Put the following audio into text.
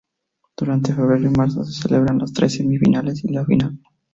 Durante febrero y marzo, se celebran las tres semifinales y la final.